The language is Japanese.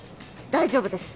大丈夫です。